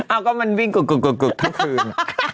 อ้าวก็มันวิ่งกุกทุกคืน